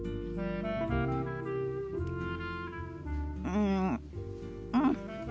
うんうん。